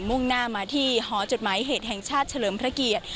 ่งหน้ามาที่หอจดหมายเหตุแห่งชาติเฉลิมพระเกียรติ